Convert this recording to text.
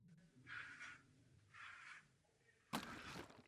Zde stával samostatný deskový statek s tvrzí.